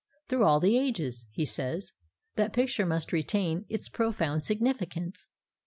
'Through all the ages,' he says, 'that picture must retain its profound significance.'